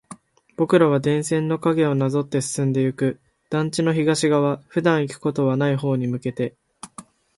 僕らは電線の影をなぞって進んでいく。団地の東側、普段行くことはない方に向けて。